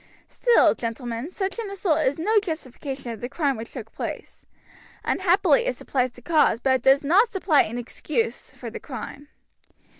Still, gentlemen, such an assault is no justification of the crime which took place. Unhappily it supplies the cause, but it does not supply an excuse for the crime.